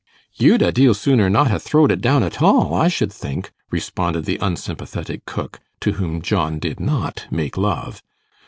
'You'd a deal sooner not ha' throwed it down at all, I should think,' responded the unsympathetic cook, to whom John did not make love.